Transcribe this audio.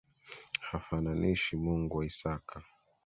Hafananishwi mungu wa isaka.